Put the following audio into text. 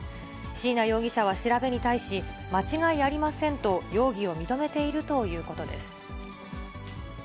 椎名容疑者は調べに対し、間違いありませんと容疑を認めているということです。